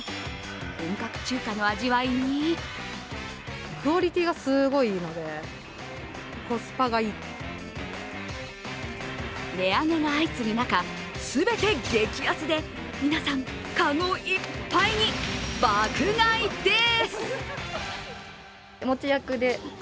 本格中華の味わいに値上げが相次ぐ中、全て激安で皆さん、籠いっぱいに爆買いです。